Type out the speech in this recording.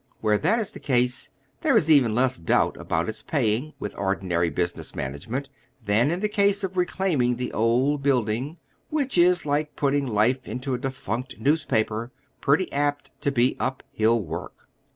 Where that is the case, there is even less doubt about its paying, with ordi nary business management, than in the case of reclaiming an old building, which is, like putting life into a defunct newspaper, pretty apt to he up hill work.